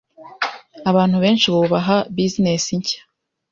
Abantu benshi bubaha business nshya,